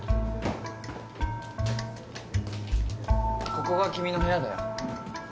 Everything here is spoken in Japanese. ここが君の部屋だよ。